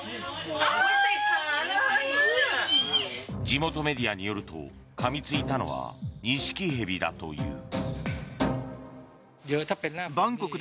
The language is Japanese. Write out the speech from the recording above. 地元メディアによるとかみついたのはニシキヘビだという。